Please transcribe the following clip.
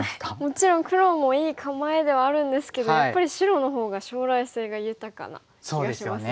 もちろん黒もいい構えではあるんですけどやっぱり白の方が将来性が豊かな気がしますね。